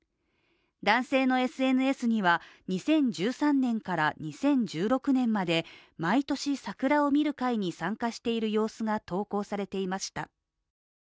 男性のＳＮＳには２０１３年から２０１６年まで毎年、桜を見る会に参加している様子が投稿されていました。